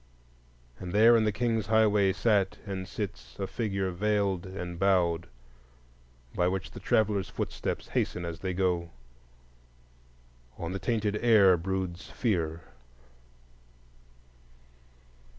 And there in the King's Highways sat and sits a figure veiled and bowed, by which the traveller's footsteps hasten as they go. On the tainted air broods fear.